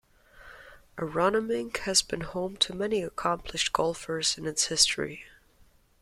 Aronimink has been home to many accomplished golfers in its history.